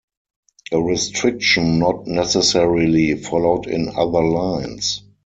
A restriction not necessarily followed in other lines.